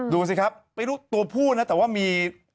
ดูสิครับไม่รู้ตัวผู้นะแต่ว่ามี